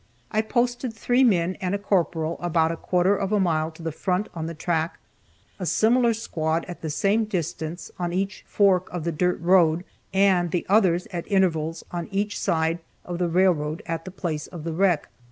I posted three men and a corporal about a quarter of a mile to the front on the track, a similar squad at the same distance on each fork of the dirt road, and the others at intervals on each side of the railroad at the place of the wreck.